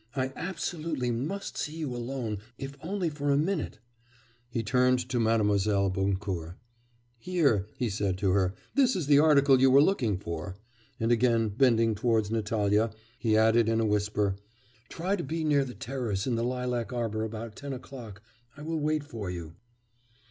I absolutely must see you alone if only for a minute.' He turned to Mlle. Boncourt. 'Here,' he said to her, 'this is the article you were looking for,' and again bending towards Natalya, he added in a whisper, 'Try to be near the terrace in the lilac arbour about ten o'clock; I will wait for you.